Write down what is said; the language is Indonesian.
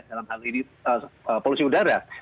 dalam hal ini polusi udara